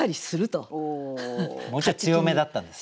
もうちょい強めだったんですね。